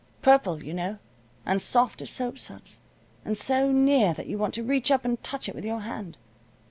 Purple, you know, and soft as soap suds, and so near that you want to reach up and touch it with your hand.